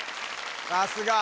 さすが！